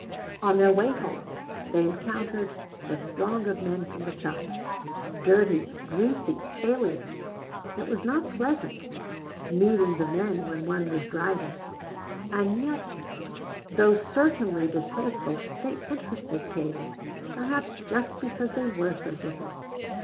On their way home they encountered the throng of men from the shops dirty, greasy, alien. It was not pleasant meeting the men when one was driving. And yet, though certainly distasteful, they interested Katie, perhaps just because they were so different.